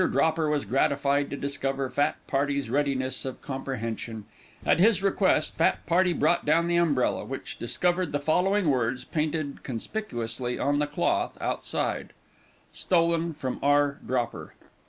Dropper was gratified to discover fat party's readiness of comprehension; at his request fat party brought down the umbrella, which discovered the following words painted conspicuously on the cloth outside: "STOLEN FROM R. DROPPER."